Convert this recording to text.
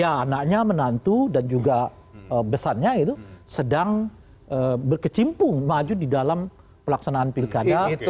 ya anaknya menantu dan juga besarnya itu sedang berkecimpung maju di dalam pelaksanaan pilkada